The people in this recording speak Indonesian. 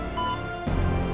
ya allah papa